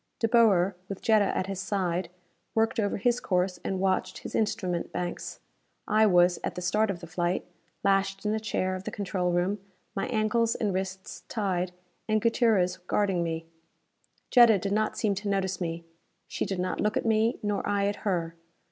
De Boer, with Jetta at his side, worked over his course and watched his instrument banks. I was, at the start of the flight, lashed in a chair of the control room, my ankles and wrists tied and Gutierrez guarding me. Jetta did not seem to notice me. She did not look at me, nor I at her.